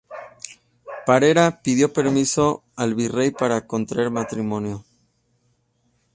Parera pidió permiso al virrey para contraer matrimonio.